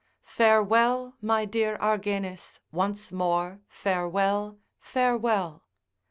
Farewell my dear Argenis, once more farewell, farewell.